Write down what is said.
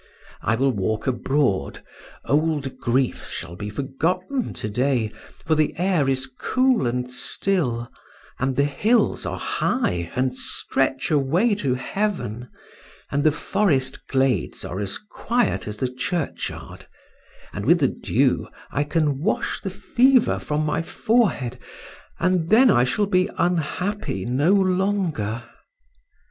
I will walk abroad; old griefs shall be forgotten to day; for the air is cool and still, and the hills are high and stretch away to heaven; and the forest glades are as quiet as the churchyard, and with the dew I can wash the fever from my forehead, and then I shall be unhappy no longer."